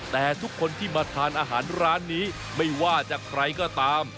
แต่ทุกคนที่มาทานอาหารร้านนี้ไม่ว่าจะใครก็ตาม